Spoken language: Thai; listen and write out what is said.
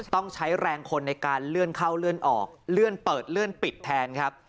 ต้องใช้แรงคนในการเลื่อนเข้าเลื่อนออกเลื่อนเปิดเลื่อนปิดแทนครับ